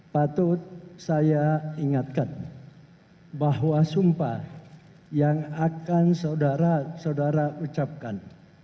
patut saya ingatkan bahwa sumpah yang akan saudara saudara ucapkan